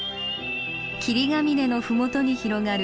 霧ヶ峰のふもとに広がる